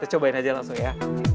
cobain aja langsung ya